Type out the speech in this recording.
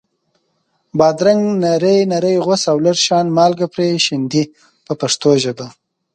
بادرنګ نري نري غوڅ او لږ شان مالګه پرې شیندئ په پښتو ژبه.